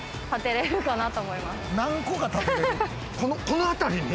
この辺りに？